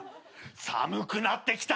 寒くなってきた！